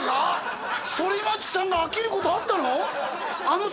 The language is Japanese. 反町さんが飽きることあったの？